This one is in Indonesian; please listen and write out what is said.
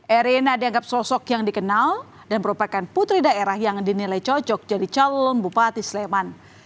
erina dianggap sosok yang dikenal dan merupakan putri daerah yang dinilai cocok jadi calon bupati sleman